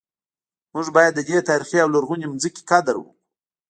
موږ باید د دې تاریخي او لرغونې ځمکې قدر وکړو